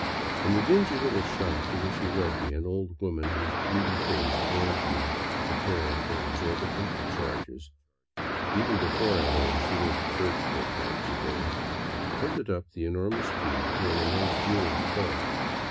In the dingy little shop to which he led me, an old woman whose greedy face warned me to prepare for exorbitant charges, even before I learned she went to church four times a day, hunted up the enormous key to an immense room above.